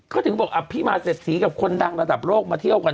เขาถึงบอกอภิมาเสร็จสีกับคนดังระดับโลกมาเที่ยวกัน